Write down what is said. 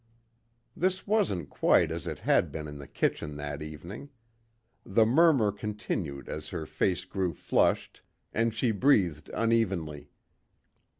This wasn't quite as it had been in the kitchen that evening. The murmur continued as her face grew flushed and she breathed unevenly.